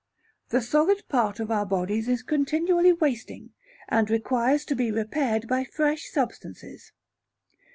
The solid part of our Bodies is continually wasting, and requires to be repaired by fresh substances.